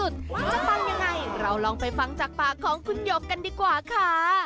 ฟังยังไงเราลองไปฟังจากปากของคุณหยกกันดีกว่าค่ะ